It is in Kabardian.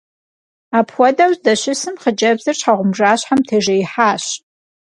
Apxuedeu zdeşısım xhıcebzır şxheğubjjaşhem têjjêihaş.